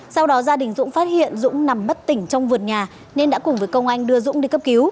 sau đó gia đình dũng phát hiện dũng nằm bất tỉnh trong vườn nhà nên đã cùng với công anh đưa dũng đi cấp cứu